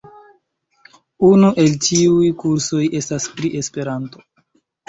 Unu el tiuj kursoj estas pri Esperanto.